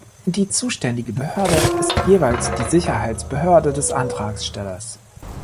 Die zuständige Behörde ist jeweils die Sicherheitsbehörde des Antragstellers.